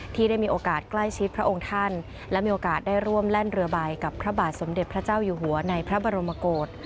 ที่ได้มีโอกาสใกล้ชิดพระองค์ท่านและมีโอกาสได้ร่วมแล่นเรือใบกับพระบาทสมเด็จพระเจ้าอยู่หัวในพระบรมโกศ